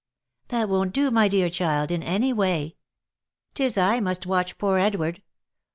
" That won't do my dear child, in anyway. 'Tis I must watch poor Edward.